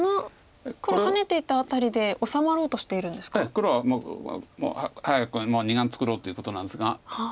黒はもう早く２眼作ろうということなんですが。